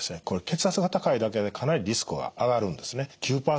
これ血圧が高いだけでかなりリスクは上がるんですね。